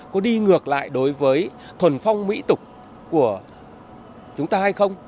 có đi ngược lại đối với thuần phong mỹ tục của chúng ta hay không